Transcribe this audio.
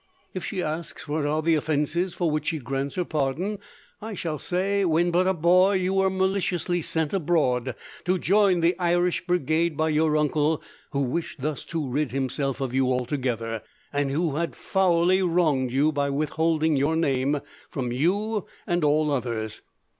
If she asks what are the offences for which she grants her pardon, I shall say, when but a boy you were maliciously sent abroad to join the Irish Brigade by your uncle, who wished thus to rid himself of you altogether, and who had foully wronged you by withholding your name, from you and all others.